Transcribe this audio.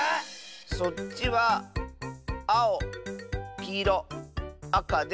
そっちはあおきいろあかで。